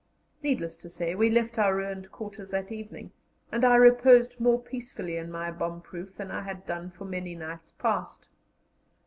Needless to say, we left our ruined quarters that evening, and I reposed more peacefully in my bomb proof than I had done for many nights past.